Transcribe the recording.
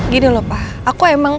gini loh pak